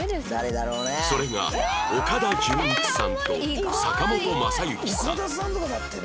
それが岡田准一さんと坂本昌行さん